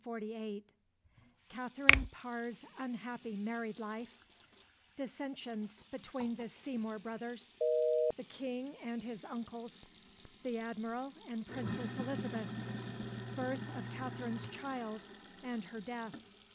CHAPTER VII 1547 1548 Katherine Parr's unhappy married life Dissensions between the Seymour brothers The King and his uncles The Admiral and Princess Elizabeth Birth of Katherine's child, and her death.